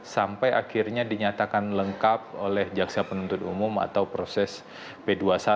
sampai akhirnya dinyatakan lengkap oleh jaksa penuntut umum atau proses p dua puluh satu